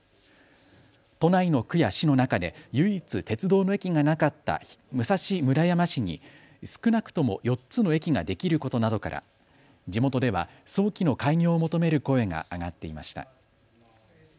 都内の区や市の中で唯一、鉄道の駅がなかった武蔵村山市に少なくとも４つの駅ができることなどから地元では早期の開業を求める声が上がっていました。